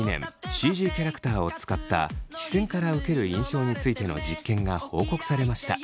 ＣＧキャラクターを使った視線から受ける印象についての実験が報告されました。